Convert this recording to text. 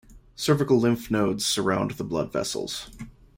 Cervical lymph nodes surround the blood vessels.